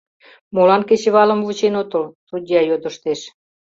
Молан кечывалым вучен отыл? — судья йодыштеш.